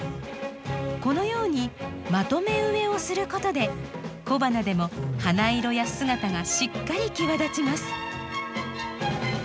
このようにまとめ植えをすることで小花でも花色や姿がしっかり際立ちます。